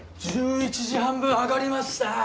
１１時半分あがりました